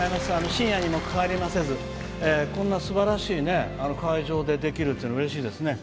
深夜にも関わりもせずこんなすばらしい会場でできるっていうのうれしいですね。